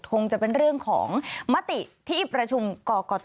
คงจะเป็นเรื่องของมติที่ประชุมกรกต